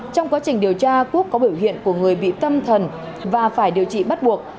trong quá trình điều tra quốc có biểu hiện của người bị tâm thần và phải điều trị bắt buộc